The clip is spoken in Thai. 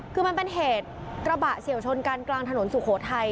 คือมันเป็นเหตุกระบะเฉียวชนกันกลางถนนสุโขทัย